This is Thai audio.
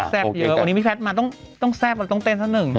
แซ่บเยอะวันนี้พี่แพทย์มาต้องแซ่บไหมต้องเต้นซะนึง